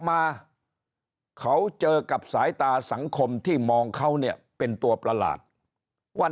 มาเขาเจอกับสายตาสังคมที่มองเขาเนี่ยเป็นตัวประหลาดว่า